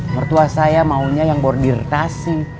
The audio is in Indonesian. mertua saya maunya yang bordir tasik